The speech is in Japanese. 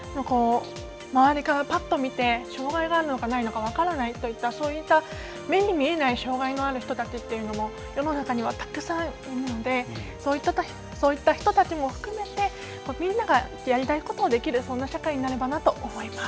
周りからパッと見て障がいがあるのかないのか分からないといったそういった目に見えない障がいのある人たちも世の中には、たくさんいるのでそういった人たちも含めてみんながやりたいことをできるそんな社会になればなと思います。